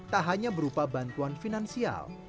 tak hanya berupa bantuan finansial